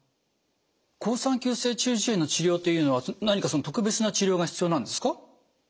好酸球性中耳炎の治療というのは何か特別な治療が必要なんですか？